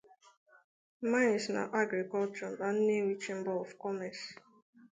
Mines and Agriculture' na 'Nnewi Chamber of Commerce